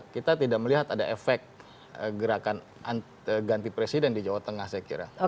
kita tidak melihat ada efek gerakan ganti presiden di jawa tengah saya kira